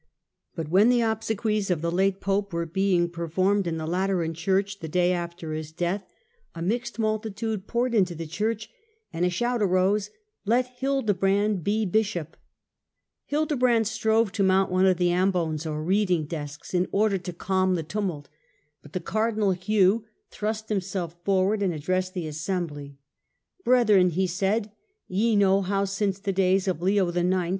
But when the obsequies of the late pope were being performed in the Lateran Church the day after his death, a mixed multitude poured Digitized by VjOOQIC QO HlLDEBRAND into the church and a shout arose, *Let Hildebrand be bishop!' Hildebrand strove to mount one of the ' ambons,' or reading desks, in order to cabn the tumult, . but the cardinal Hugh thrust himself forward and ad dressed the assembly. * Brethren,' he said, ' ye know how since the days of Leo IX.